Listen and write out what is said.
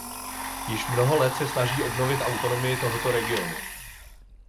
Již mnoho let se snaží obnovit autonomii tohoto regionu.